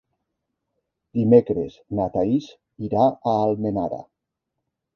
Dimecres na Thaís irà a Almenara.